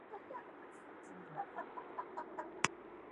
Oh, so he didn’t even draw it, he just generated it.